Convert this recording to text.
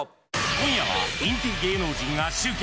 今夜はインテリ芸能人が集結。